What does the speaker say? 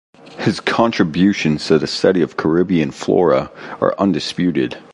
His contributions to the study of Caribbean flora are undisputed.